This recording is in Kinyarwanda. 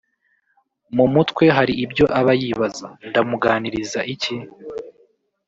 mu mutwe hari ibyo aba yibaza; Ndamuganiriza iki